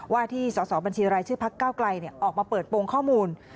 ว่าที่สบชภเก้าไกลออกมาเปิดโปรงข้อมูล